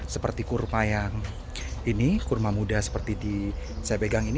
seperti kurma yang ini kurma muda seperti saya pegang ini